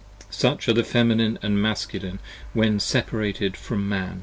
Such are the Feminine and Masculine when separated from Man.